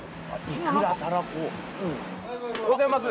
おはようございます。